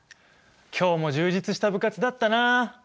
今日も充実した部活だったなあ。